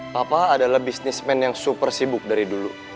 papa adalah bisnismen yang super sibuk dari dulu